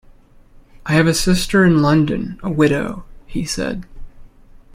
"I have a sister in London, a widow," he said.